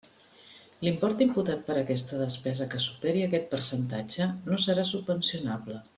L'import imputat per aquesta despesa que superi aquest percentatge no serà subvencionable.